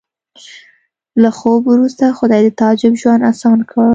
له خوب وروسته خدای د تعجب ژوند اسان کړ